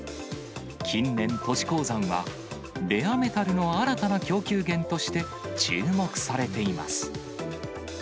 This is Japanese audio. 近年、都市鉱山はレアメタルの新たな供給源として、注目されています。